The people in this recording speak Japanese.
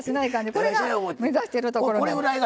これが目指してるところなんで。